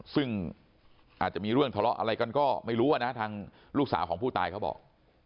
ซึ่งอาจจะมีเรื่องทะเลาะอะไรกันก็ไม่รู้นะทางลูกสาวของผู้ตายเขาบอก